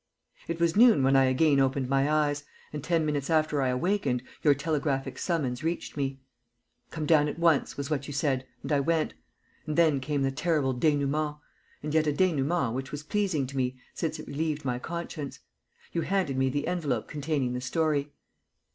It was noon when I again opened my eyes, and, ten minutes after I awakened, your telegraphic summons reached me. "Come down at once," was what you said, and I went; and then came the terrible dénouement, and yet a dénouement which was pleasing to me since it relieved my conscience. You handed me the envelope containing the story.